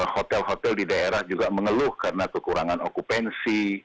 hotel hotel di daerah juga mengeluh karena kekurangan okupansi